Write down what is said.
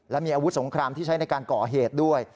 และมีอาวุธสงครามที่ใช้ในการก่อเหตุด้วย